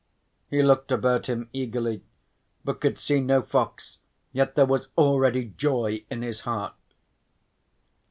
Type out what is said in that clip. He looked about him eagerly but could see no fox, yet there was already joy in his heart.